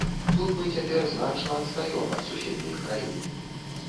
Тут мы цяпер значна адстаём ад суседніх краін.